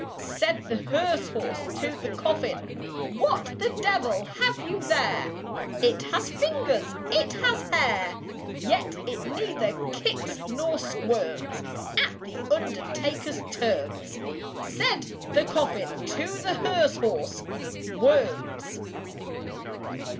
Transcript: Said the hearse horse to the coffin, "What the devil have you there? It has fingers, it has hair; Yet it neither kicks nor squirms At the undertaker's terms." Said the coffin to the hearse horse, "Worms!"